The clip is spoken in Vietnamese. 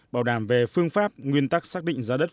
bảo đảm về phương pháp nguyên tắc xác định giá đất